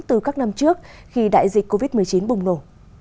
từ các năm trước khi đại dịch covid một mươi chín bùng nổ